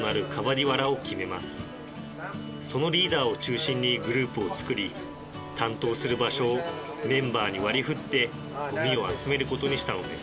そのリーダーを中心にグループを作り担当する場所をメンバーに割りふってゴミを集めることにしたのです